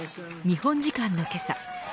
日本時間のけさ